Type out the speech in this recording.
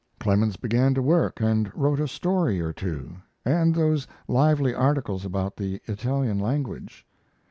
Clemens began to work and wrote a story or two, and those lively articles about the Italian language.